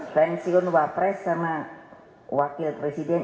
pensiun wapres sama wakil presiden